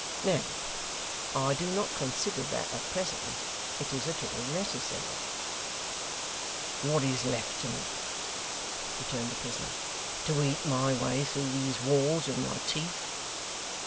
Now, I do not consider that, at present, it is at all necessary.' 'What else is left me?' returned the prisoner. 'To eat my way through these walls with my teeth?